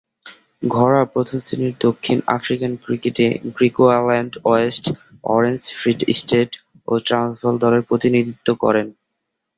ঘরোয়া প্রথম-শ্রেণীর দক্ষিণ আফ্রিকান ক্রিকেটে Griqualand West, Orange Free State ও ট্রান্সভাল দলের প্রতিনিধিত্ব করেন।